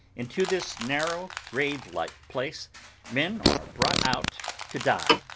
Into this narrow, grave like place, men are brought out to die.